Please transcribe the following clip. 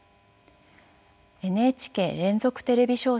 「ＮＨＫ連続テレビ小説